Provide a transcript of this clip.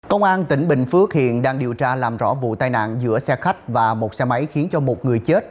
công an tỉnh bình phước hiện đang điều tra làm rõ vụ tai nạn giữa xe khách và một xe máy khiến cho một người chết